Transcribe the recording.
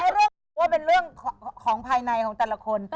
เพราะเป็นเรื่องของภายในของแต่ละคน